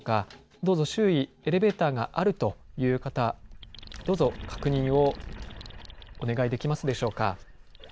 どうぞ周囲、エレベーターがあるという方、どうぞ、確認をお願いできますでしょうか。